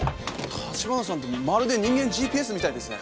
橘さんてまるで人間ＧＰＳみたいですね。